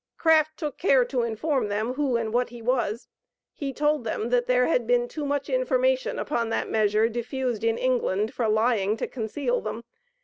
Craft took care to inform them who and what he was. He told them that there had been too much information upon that measure diffused in England for lying to conceal them.